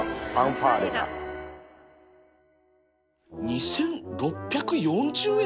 ２，６４０ 円！？